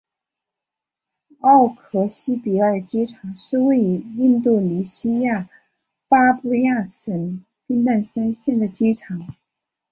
奥克西比尔机场是位于印度尼西亚巴布亚省宾坦山县的机场。